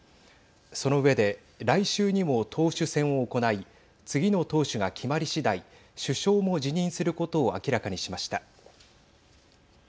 その上で来週にも党首選を行い次の党首が決まり次第首相も辞任することを明らかにしました。